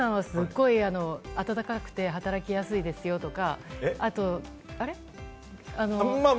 日テレの皆さんはすごく温かくて、働きやすいですよとか。